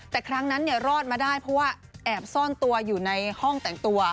แต่ครั้งนั้นรอดมาได้เพราะว่าแอบซ่อนตัวอยู่ในห้องแต่งตัว